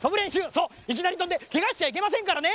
そういきなりとんでけがしちゃいけませんからね。